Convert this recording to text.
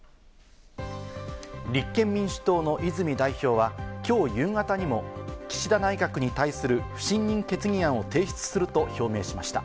立憲民主党の泉代表は今日夕方にも岸田内閣に対する不信任決議案を提出すると表明しました。